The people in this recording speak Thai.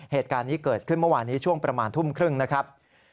เหตุการณ์นี้เกิดขึ้นเมื่อวานนี้ช่วงประมาณทุ่มครึ่งนะครับ